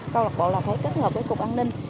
câu lạc bộ thấy kết hợp với cục an ninh